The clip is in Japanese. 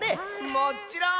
もっちろん！